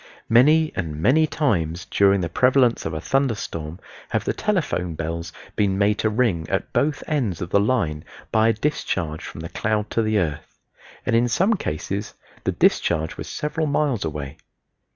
Many and many times during the prevalence of a thunder storm have the telephone bells been made to ring at both ends of the line by a discharge from the cloud to the earth, and in some cases the discharge was several miles away.